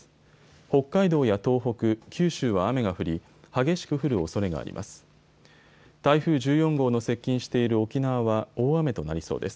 北海道や東北、九州は雨が降り激しく降るおそれがあります。